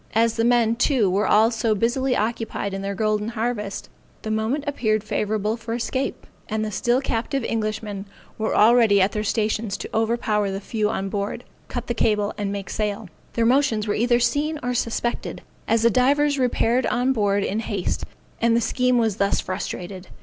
As the men, too, were all so busily occupied in their golden harvest, the moment appeared favorable for escape; and the still captive Englishmen were already at their stations to overpower the few on board, cut the cable, and make sail. Their motions were either seen or suspected, as the divers repaired on board in haste, and the scheme was thus frustrated.